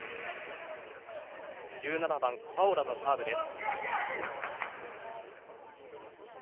１７番、ファオラのサーブです。